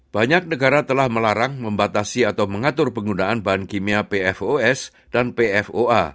banyak negara telah melarang membatasi atau mengatur penggunaan bahan kimia pfos dan pfoa